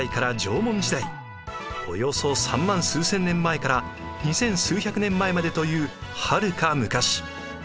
およそ３万数千年前から２千数百年前までというはるか昔。